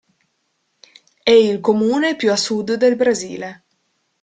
È il comune più a sud del Brasile